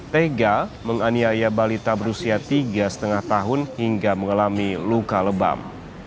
tega menganiaya balita berusia tiga lima tahun hingga mengalami luka lebam